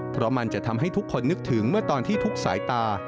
เพราะมันจะทำให้ทุกคนนึกถึงเมื่อตอนที่ทุกสายตา